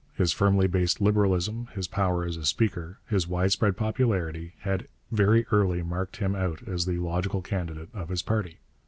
His firmly based Liberalism, his power as a speaker, his widespread popularity, had very early marked him out as the logical candidate of his party.